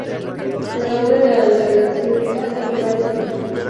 El nombre de la localidad significa "el lugar espinoso".